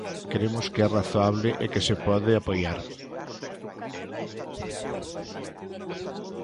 Cremos que é razoable e que se pode apoiar.